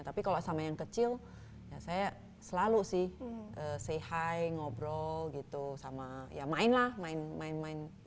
tapi kalau sama yang kecil ya saya selalu sih say high ngobrol gitu sama ya main lah main main